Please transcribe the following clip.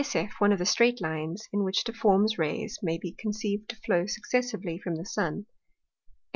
SF one of the streight Lines, in which difform Rays may be conceived to flow successively from the Sun.